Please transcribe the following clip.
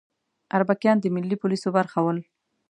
اربکیان د ملي پولیسو برخه ول